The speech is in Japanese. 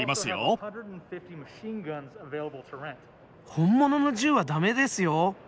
本物の銃は駄目ですよ！